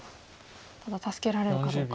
ただ助けられるかどうか。